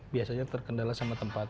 biasanya terkendala sama tempat